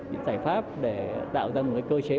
giải pháp để tạo ra một cơ chế